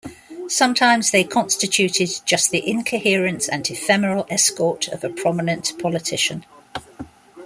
Sometimes, they constituted just the incoherent and ephemeral escort of a prominent politician.